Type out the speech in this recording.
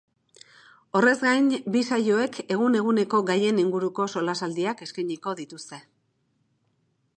Horrez gain, bi saioek egun-eguneko gaien inguruko solasaldiak eskainiko dituzte.